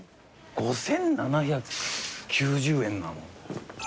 ５７９０円なの？